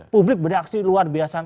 publik beraksi luar biasa